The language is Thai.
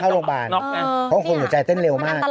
โรงพยาบาลเพราะคนหัวใจเต้นเร็วมาก